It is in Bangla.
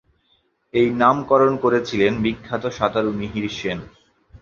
এই নামকরণ করেছিলেন বিখ্যাত সাঁতারু মিহির সেন।